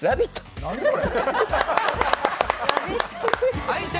何それ。